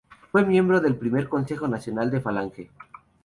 Fue miembro del I Consejo Nacional de Falange.